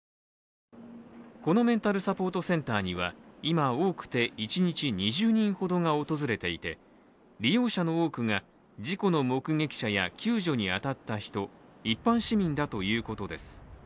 このメンタルサポートセンターには今、多くて一日２０人ほどが訪れていて利用者の多くが、事故の目撃者や救助に当たった人、一般市民だということです。